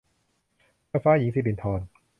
เจ้าฟ้าหญิงสิรินธร